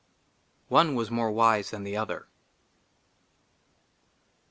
ONE WAS MORE WISE THAN THE OTHER.